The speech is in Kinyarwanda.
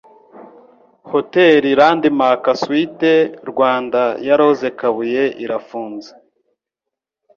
Hoteli Landmark Suites Rwanda ya Rose Kabuye irafunze